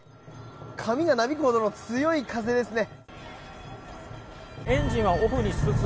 髪がなびくほどの強い風ですね。